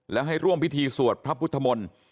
และให้ร่วมพิธีสวดพระพุทธมนตร์